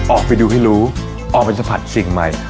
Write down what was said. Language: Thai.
ออกไปดูให้รู้ออกไปสัมผัสสิ่งใหม่